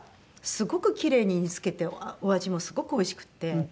すごくキレイに煮付けてお味もすごくおいしくて。